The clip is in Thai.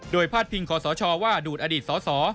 โดยพาดพิงขอสชว่าดูดอดีตสส